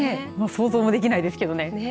想像もできないですけどね。